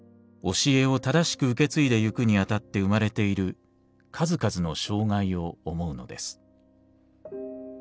教えを正しく受け継いでゆくにあたって生まれている数々の障害を思うのです。